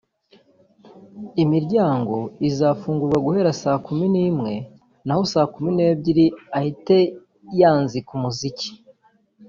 imiryango izafungurwa guhera saa kumi n’imwe naho saa kumi n’ebyiri ahite yanzika n’umuziki